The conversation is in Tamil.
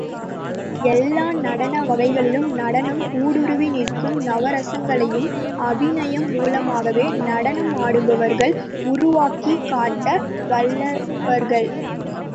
எல்லா நடன வகைகளிலும் நடனம் ஊடுருவி நிற்கும் நவரசங்களையும் அபிநயம் மூலமாகவே நடனம் ஆடுபவர்கள் உருவாக்கிக் காட்ட வல்லவர்கள்.